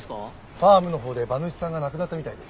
ファームのほうで馬主さんが亡くなったみたいで。